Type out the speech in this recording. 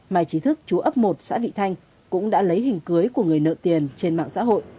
mai trí thức chú ấp một xã vị thanh cũng đã lấy hình cưới của người nợ tiền trên mạng xã hội